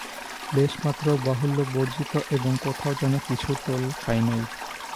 লেশমাত্র বাহুল্যবর্জিত এবং কোথাও যেন কিছু টোল খায় নাই।